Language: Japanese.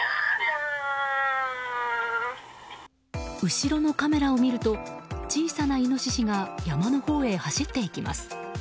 後ろのカメラを見ると小さなイノシシが山のほうへ走っていきます。